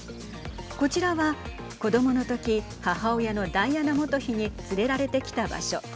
こちらは、子どものとき母親のダイアナ元妃に連れられてきた場所。